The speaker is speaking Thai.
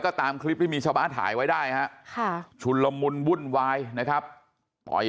ก็ตามคลิปที่มีชาวบ้านถ่ายไว้ได้ฮะชุนละมุนวุ่นวายนะครับต่อย